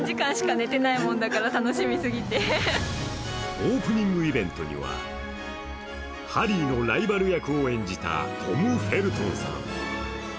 オープニングイベントにはハリーのライバル役を演じたトム・フェルトンさん。